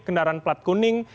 kendaraan plat kuning